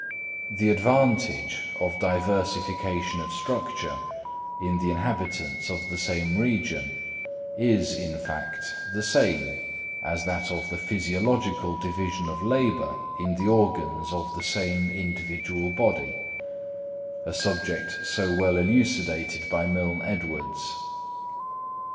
The advantage of diversification of structure in the inhabitants of the same region is, in fact, the same as that of the physiological division of labour in the organs of the same individual body—a subject so well elucidated by Milne Edwards.